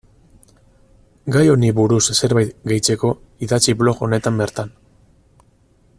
Gai honi buruz zerbait gehitzeko idatzi blog honetan bertan.